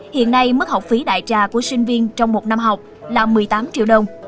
hiện nay mức học phí đại trà của sinh viên trong một năm học là một mươi tám triệu đồng